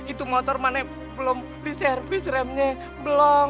itu motor mana belum diservis remnya belom